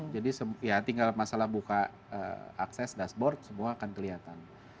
jadi ya tinggal masalah buka akses dashboard semua akan kelihatan